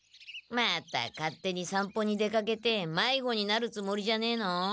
また勝手にさんぽに出かけてまいごになるつもりじゃねえの？